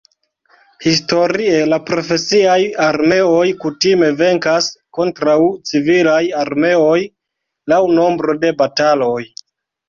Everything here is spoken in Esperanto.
Historie la profesiaj armeoj kutime venkas kontraŭ civilaj armeoj laŭ nombro de bataloj.